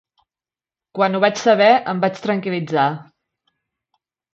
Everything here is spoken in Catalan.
Quan ho vaig saber, em vaig tranquil·litzar.